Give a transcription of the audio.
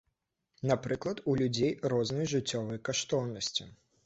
Напрыклад, у людзей розныя жыццёвыя каштоўнасці.